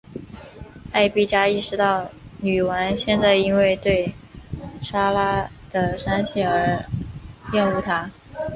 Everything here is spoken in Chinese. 艾碧嘉意识到女王现在因为对莎拉的伤心而厌恶她。